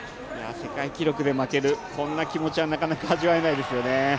世界記録で負ける、こんな気持ちはなかなか味わえないですよね。